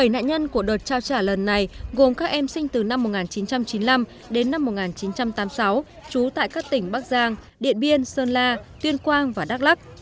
bảy nạn nhân của đợt trao trả lần này gồm các em sinh từ năm một nghìn chín trăm chín mươi năm đến năm một nghìn chín trăm tám mươi sáu trú tại các tỉnh bắc giang điện biên sơn la tuyên quang và đắk lắc